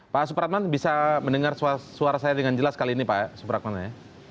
pak supratman bisa mendengar suara saya dengan jelas kali ini pak supratman ya